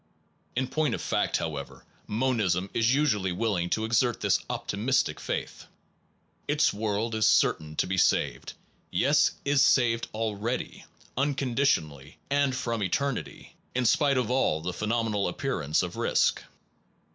In point of fact, however, monism is usually willing to exert this optimistic faith : its world is certain to be saved, yes, is saved already, unconditionally and from eternity, in spite of all the phenomenal appearances of risk.